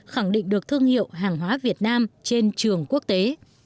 khẳng định được thương hiệu hàng hóa việt nam trên trường quốc tế